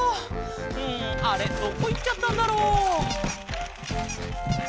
うんあれどこいっちゃったんだろう？